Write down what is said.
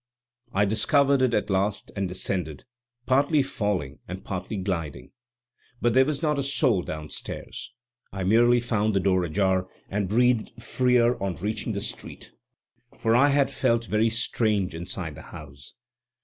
I discovered it at last and descended, partly falling and partly gliding. But there was not a soul downstairs. I merely found the door ajar, and breathed freer on reaching the street, for I had felt very strange inside the house.